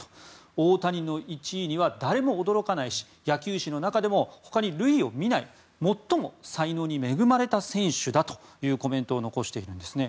大谷の１位には誰も驚かないし野球史の中でもほかに類を見ない最も才能に恵まれた選手だというコメントを残しているんですね。